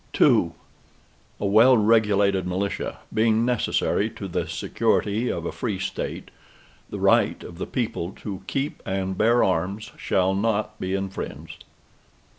II A well regulated militia, being necessary to the security of a free State, the right of the people to keep and bear arms, shall not be infringed.